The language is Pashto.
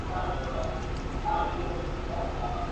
نر اوښځي ټول له وهمه رېږدېدله !.